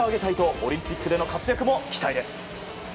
オリンピックでの活躍も期待です。